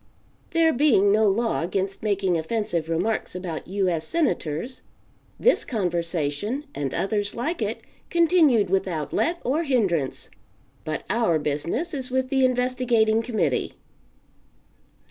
There being no law against making offensive remarks about U. S. Senators, this conversation, and others like it, continued without let or hindrance. But our business is with the investigating committee.